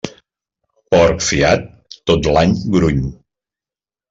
Porc fiat, tot l'any gruny.